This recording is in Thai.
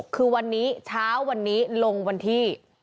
คือวันนี้เช้าวันนี้ลงวันที่